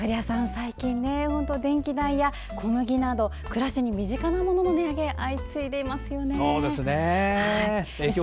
最近、電気代や小麦など暮らしに身近なものの値上げが相次いでいますね。